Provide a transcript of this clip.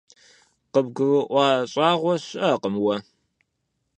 КъыбгурыӀуэ щӀагъуэ щыӀэкъым уэ.